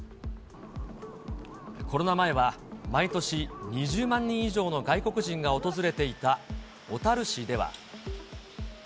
コロナ前は毎年、２０万人以上の外国人が訪れていた小樽市では。